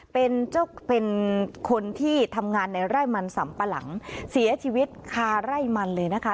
เป็นคนที่ทำงานในไร่มันสัมปะหลังเสียชีวิตคาร์ไร่มันเลยนะคะ